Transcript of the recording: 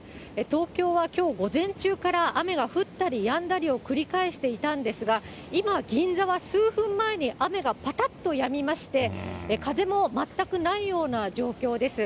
東京はきょう午前中から雨が降ったりやんだりを繰り返していたんですが、今、銀座は数分前に雨がぱたっとやみまして、風も全くないような状況です。